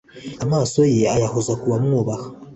Amaso ye ayahoza ku bamwubaha,